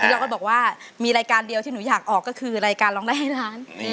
เราก็บอกว่ามีรายการเดียวที่หนูอยากออกก็คือรายการร้องได้ให้ล้าน